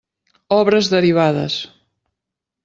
Obres derivades.